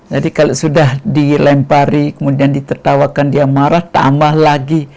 jadi kalau sudah dilempari kemudian ditertawakan dia marah tambah lagi